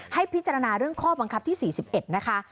ให้พิจารณาเรื่องข้อบังคับที่๔๑นะคะ